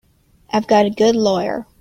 I've got a good lawyer.